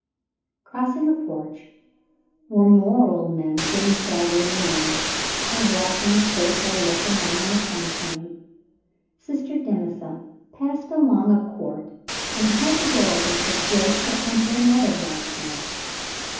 Crossing a porch where were more old men sitting sadly alone, or walking sociably up and down in the sunshine, Sister Denisa passed along a court and held the door open for Joyce to enter another large room.